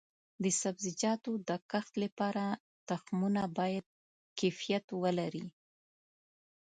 د سبزیجاتو د کښت لپاره تخمونه باید کیفیت ولري.